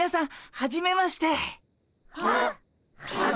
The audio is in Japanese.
ははじめまして。